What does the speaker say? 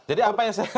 jadi apa yang saya